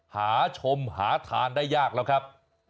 หาชมหาทานได้ยากเรากันครับ